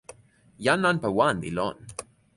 jan nanpa wan li lon.